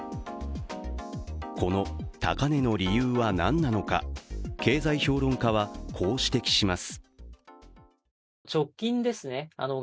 この高値の理由は何なのか経済評論家はこう指摘します。